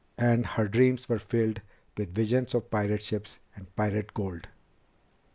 And her dreams were filled with visions of pirate ships and pirate gold.